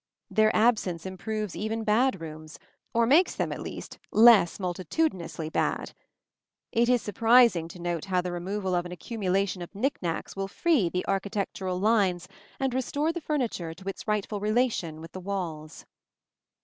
Their absence improves even bad rooms, or makes them at least less multitudinously bad. It is surprising to note how the removal of an accumulation of knick knacks will free the architectural lines and restore the furniture to its rightful relation with the walls.